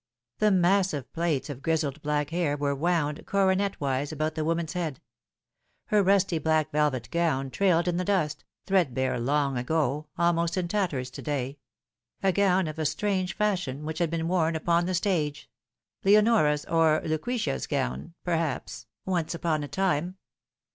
The massive plaits of grizzled black hair were wound, coronet wise, about the woman's head. Her rusty black velvet gown trailed in the dust, threadbare long ago, almost in tatters to day : a gown of a strange fashion, which had been worn upon the stage Leonora's or Lucrezia's gown, perhaps, once upon \ time.